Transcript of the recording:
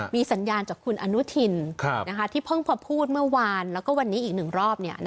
มีสัญญาณจากคุณอนุทินที่เพิ่งพอพูดเมื่อวานแล้วก็วันนี้อีกหนึ่งรอบ